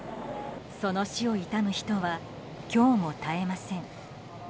その死を悼む人は今日も絶えません。